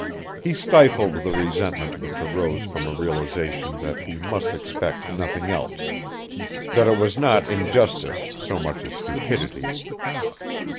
He stifled the resentment which arose from a realization that he must expect nothing else, that it was not injustice so much as stupidity.